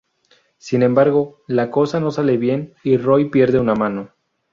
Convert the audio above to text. Sin embargo la cosa no sale bien y Roy pierde una mano.